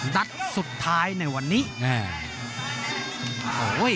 นัดสุดท้ายในวันนี้